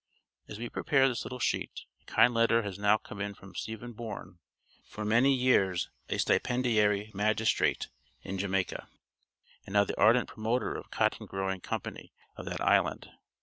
As we prepare this little sheet, a kind letter has come in from Stephen Bourne, for many years a stipendiary magistrate in Jamaica, and now the ardent promoter of a cotton growing company of that island.